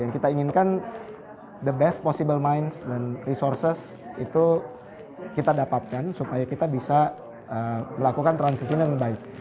kita inginkan the best possible minds and resources itu kita dapatkan supaya kita bisa melakukan transisi yang lebih baik